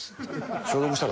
消毒したか？